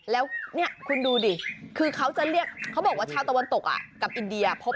แล้วเนี้ยคุณดูดิ